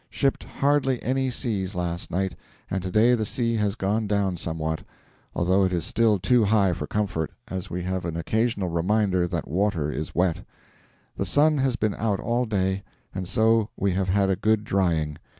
Shipped hardly any seas last night, and to day the sea has gone down somewhat, although it is still too high for comfort, as we have an occasional reminder that water is wet. The sun has been out all day, and so we have had a good drying.